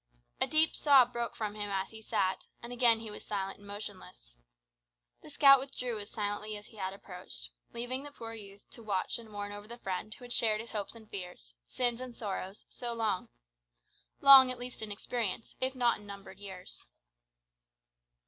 A deep sob broke from him as he sat, and again he was silent and motionless. The scout withdrew as silently as he had approached, leaving the poor youth to watch and mourn over the friend who had shared his hopes and fears, sins and sorrows, so long long at least in experience, if not in numbered years.